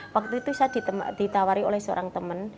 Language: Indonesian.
waktu itu saya ditawari oleh seorang teman